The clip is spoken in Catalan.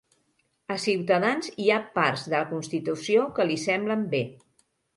A Ciutadans hi ha parts de la Constitució que li semblen bé.